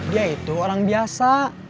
dia itu orang biasa